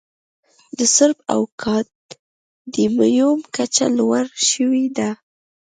د سرب او کاډمیوم کچه لوړه شوې ده.